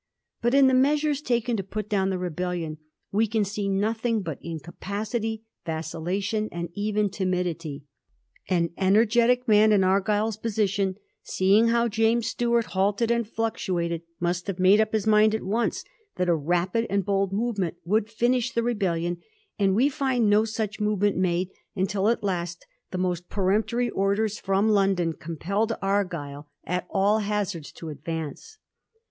But in the measures taken to put down the rebellion we can see nothing but incapacity, vacillation, and even timidity. An energetic man in Argyll's position, seeing how James Stuart halted and fluctuated, must have made up his mind at once that a rapid and bold movement would finish the rebellion, and we find no such movement made^ imtil at last the most peremptory orders fi om Digiti zed by Google 170 A HISTORY OF THE FOUR GEORGES, oh. ra. London compelled Argyll at all hazards to advance.